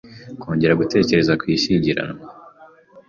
kongera gutekereza ku ishyingiranwa